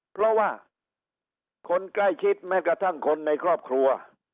เพราะว่าคนใกล้ชิดแม้กระทั่งคนในครอบครัว